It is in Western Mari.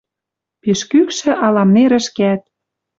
Пиш кӱкшӹ Аламнерӹшкӓт.